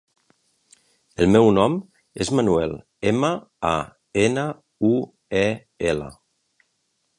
El meu nom és Manuel: ema, a, ena, u, e, ela.